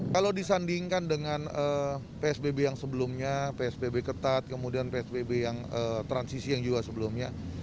kalau disandingkan dengan psbb yang sebelumnya psbb ketat kemudian psbb yang transisi yang juga sebelumnya